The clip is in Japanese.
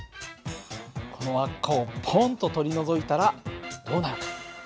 この輪っかをポンと取り除いたらどうなるか。